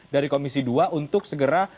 dari komisi dua untuk segera